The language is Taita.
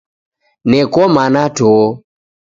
Neko mana to!